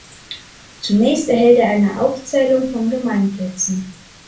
Zunächst enthält er eine Aufzählung von Gemeinplätzen.